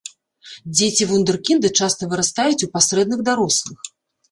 Дзеці-вундэркінды часта вырастаюць у пасрэдных дарослых.